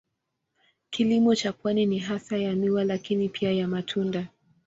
Kilimo cha pwani ni hasa ya miwa lakini pia ya matunda.